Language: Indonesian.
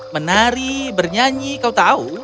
menari bernyanyi kau tahu